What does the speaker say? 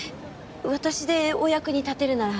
私でお役に立てるなら。